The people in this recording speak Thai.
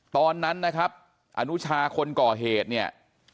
ตอนนั้นนะครับอนุชาคนก่อเหตุเนี่ย